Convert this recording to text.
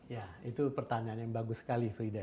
ya itu pertanyaan yang bagus sekali frida